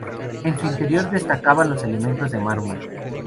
En su interior destacaban los elementos de mármol.